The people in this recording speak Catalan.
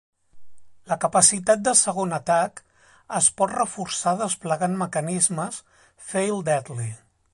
La capacitat de segon atac es pot reforçar desplegant mecanismes "fail-deadly".